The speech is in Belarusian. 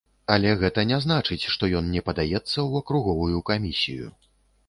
Але гэта не значыць, што ён не падаецца ў акруговую камісію.